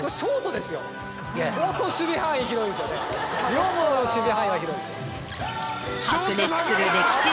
呂蒙の守備範囲は広いですよ。